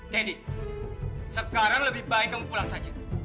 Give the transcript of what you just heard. deddy sekarang lebih baik kamu pulang saja